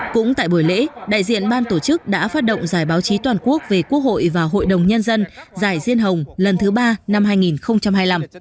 cũng tại buổi lễ đại diện ban tổ chức đã phát động giải báo chí toàn quốc về quốc hội và hội đồng nhân dân giải riêng hồng lần thứ ba năm hai nghìn hai mươi năm